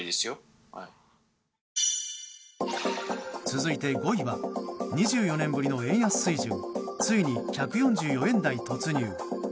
続いて５位は２４年ぶりの円安水準ついに１４４円台突入。